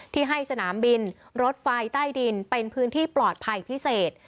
ที่ให้สนามบินรถไฟใต้ดินเป็นพื้นที่ปลอดภัยพิเศษ